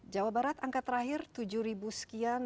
jawa barat angka terakhir tujuh ribu sekian